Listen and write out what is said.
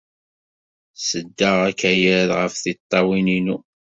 Sɛeddaɣ akayad ɣef tiṭṭawin-inu.